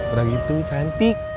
udah gitu cantik